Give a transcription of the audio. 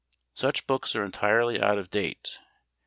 Such books are entirely out of date.